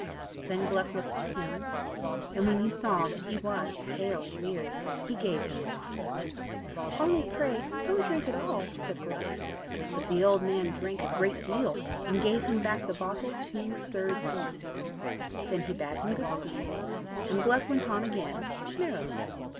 Then Gluck looked at him, and, when he saw that he was pale and weary, he gave him the water. "Only pray don't drink it all," said Gluck. But the old man drank a great deal, and gave him back the bottle two thirds empty. Then he bade him good speed, and Gluck went on again merrily.